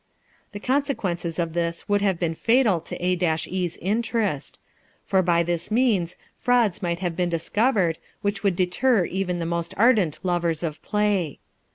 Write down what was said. The consequences of this would have been fatal to A e's interest ; for by this means frauds might have been discovered, which would deter even the most ardent lovers of play.